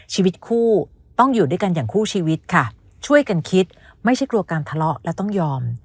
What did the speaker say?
ชีวิตคู่ต้องอยู่ด้วยกันอย่างคู่ชีวิตค่ะช่วยกันคิดไม่ใช่กลัวการทะเลาะและต้องยอม